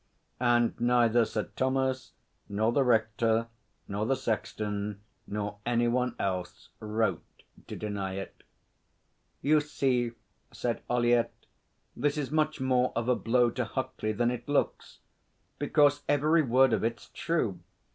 And neither Sir Thomas nor the Rector nor the sexton nor any one else wrote to deny it. 'You see,' said Ollyett, 'this is much more of a blow to Huckley than it looks because every word of it's true.